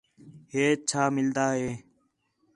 ہیچ چھا مِلدا ہے